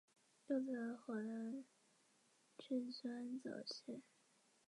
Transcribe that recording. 喜欢吞噬人类的美食界怪物。